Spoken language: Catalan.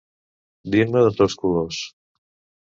Dir-ne de tots colors.